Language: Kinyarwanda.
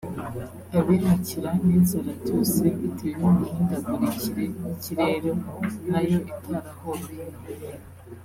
abimukira n’inzara byose bitewe n’imihindagurikire y’ikirere nayo itarahoroheye